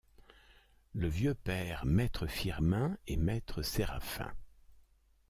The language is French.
Le vieux père Maître Firmin, et Maître Séraphin.